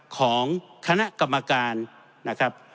ของคณะกรรมการนะครับ